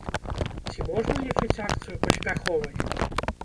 Ці можна лічыць акцыю паспяховай?